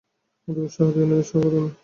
তাদের উৎসাহও দিও না, নিরুৎসাহও করো না।